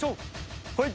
はい。